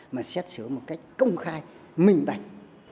mà xét xử một cách công khai minh bạch